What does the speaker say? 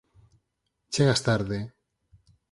Chegas tarde